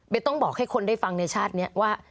ต้องบอกให้คนได้ฟังในชาตินี้ว่า